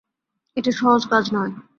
এটা সহজ কাজ নয়।